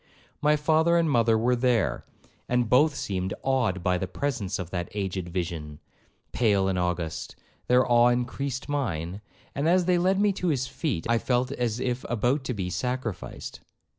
My father and mother were there, and both seemed awed by the presence of that aged vision, pale and august; their awe increased mine, and as they led me to his feet, I felt as if about to be sacrificed.